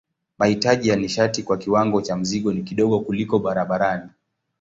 Mahitaji ya nishati kwa kiwango cha mzigo ni kidogo kuliko barabarani.